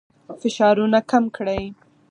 فشارونه کم کړئ.